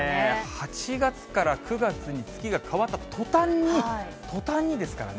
８月から９月に月が変わったとたんに、とたんにですからね。